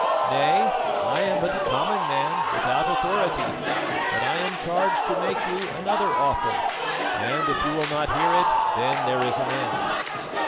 "Nay, I am but a common man without authority; but I am charged to make you another offer, and if you will not hear it then there is an end.